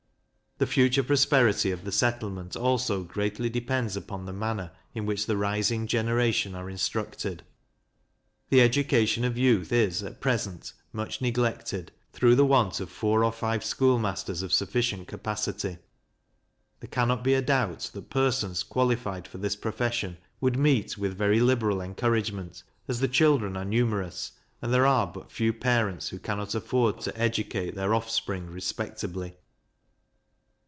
The future prosperity of the settlement also greatly depends upon the manner in which the rising generation are instructed. The education of youth is, at present, much neglected, through the want of four or five schoolmasters of sufficient capacity. There cannot be a doubt that persons qualified for this profession would meet with very liberal encouragement, as the children are numerous, and there are but few parents who cannot afford to educate their offspring respectably.